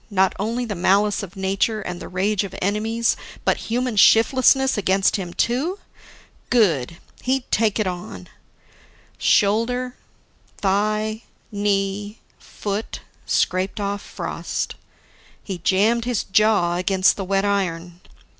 Not only the malice of nature and the rage of enemies, but human shiftlessness against him too? Good! He'd take it on. Shoulder, thigh, knee, foot scraped off frost. He jammed his jaw against the wet iron.